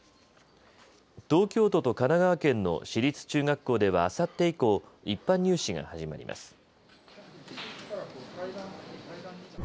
東京都と神奈川県の私立中学校では、あさって以降一般入試が始まります。